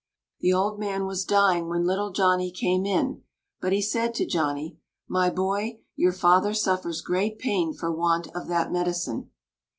The old man was dying when little Johnny came in, but he said to Johnny, "My boy, your father suffers great pain for want of that medicine."